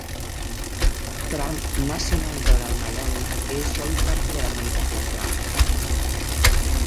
Trump Nacional Doral Miami es hoy parte de la Organización Trump.